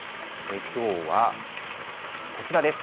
きょうはこちらです。